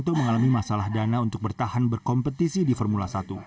kita harus menjalani masalah dana untuk bertahan berkompetisi di formula satu